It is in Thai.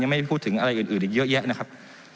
ไม่ได้พูดถึงอะไรอื่นอีกเยอะแยะนะครับ